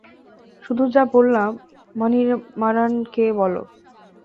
শুধু যা বললাম মানিমারানকে বলো।